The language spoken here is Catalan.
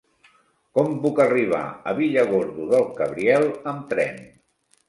Com puc arribar a Villargordo del Cabriel amb tren?